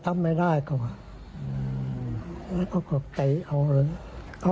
มา